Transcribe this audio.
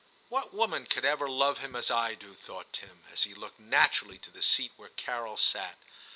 *' What woman could ever love him VII TIM 159 as I do ?' thought Tim, as he looked naturally to the seat where Carol sat.